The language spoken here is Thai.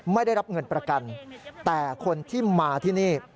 ไม่ได้รับเงินประกันแต่คนที่มาที่นี่